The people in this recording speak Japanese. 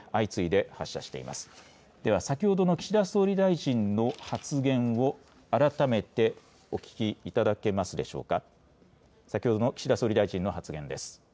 では先ほどの岸田総理大臣の発言を改めてお聞きいただけますでしょうか。